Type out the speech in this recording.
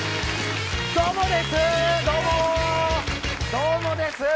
どうもです。